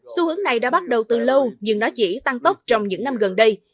xu hướng này đã bắt đầu từ lâu nhưng nó chỉ tăng tốc trong những năm gần đây